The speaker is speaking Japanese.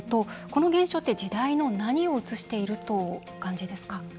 この現象って、時代の何を映しているとお感じですか？